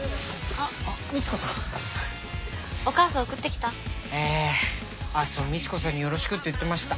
あそうみち子さんによろしくって言ってました。